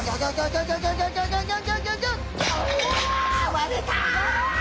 割れた！